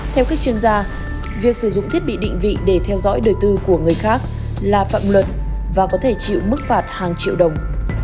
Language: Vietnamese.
theo các chuyên gia việc sử dụng thiết bị định vị để theo dõi đời tư của người khác là phạm luật và có thể chịu mức phạt hàng triệu đồng